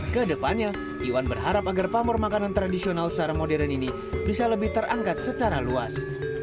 kedepannya iwan berharap agar pamor makanan tradisional secara modern ini bisa lebih terangkat secara luas